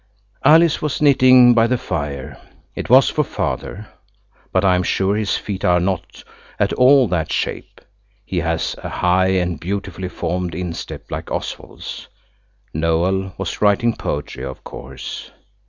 Alice was knitting by the fire; it was for Father, but I am sure his feet are not at all that shape. He has a high and beautifully formed instep like Oswald's. Noël was writing poetry, of course.